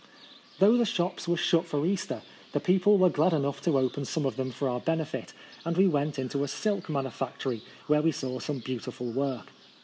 Though the shops were shut for Easter, the people were glad enough "to open some of them for our benefit ; and we went into a silk manufactory, where we saw some beautiful work.